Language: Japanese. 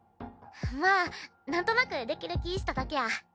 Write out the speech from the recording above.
まあなんとなくできる気ぃしただけや。